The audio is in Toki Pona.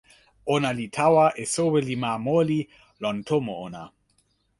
ona li tawa e soweli ma moli lon tomo ona.